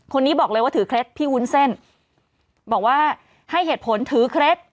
คนนี้บอกเลยว่าถือเคล็ดพี่วุ้นเส้นบอกว่าให้เหตุผลถือเคล็ด